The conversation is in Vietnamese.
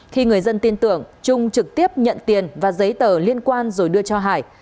khi người dân tin tưởng trung trực tiếp nhận tiền và giấy tờ liên quan rồi đưa cho hải